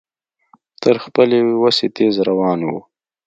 تر خپلې وسې تېز روان و.